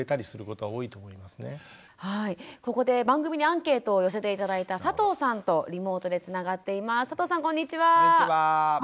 はいここで番組にアンケートを寄せて頂いた佐藤さんとリモートでつながっています。